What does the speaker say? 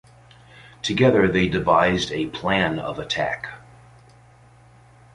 Together they devised a plan of attack.